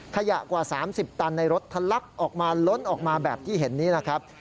ขยะกว่า๓๐ตันในรถทะลักออกมาล้นออกมาแบบที่เห็นนี้นะครับ